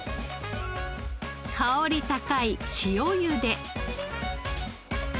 香り高い塩ゆで。